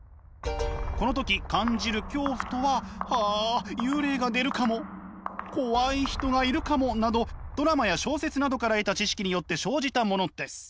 この時感じる恐怖とははあ幽霊が出るかも怖い人がいるかもなどドラマや小説などから得た知識によって生じたものです。